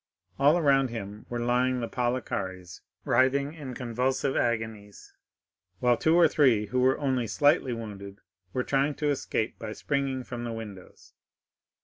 All around him were lying the Palikares, writhing in convulsive agonies, while two or three who were only slightly wounded were trying to escape by springing from the windows.